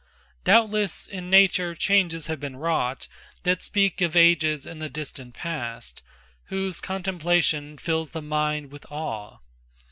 Doubtless in nature changes have been wrought That speak of ages in the distant past, Whose contemplation fills the mind with awe.